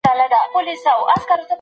پخوانۍ خبري په اوسني وخت کي ګټوري نه دي.